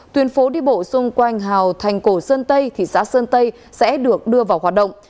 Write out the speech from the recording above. tuyên phố đi bộ xung quanh hào thành cổ sơn tây thị xã sơn tây sẽ được đưa vào hoạt động